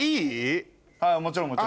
もちろんもちろん。